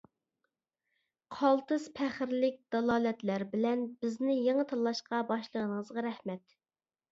قالتىس پەخىرلىك دالالەتلەر بىلەن بىزنى يېڭى تاللاشقا باشلىغىنىڭىزغا رەھمەت!